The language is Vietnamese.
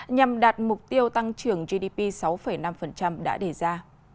nhằm đạt mục tiêu tăng trưởng gdp sáu năm đã đề ra